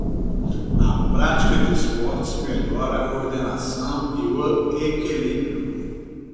A prática de esportes melhora a coordenação e o equilíbrio.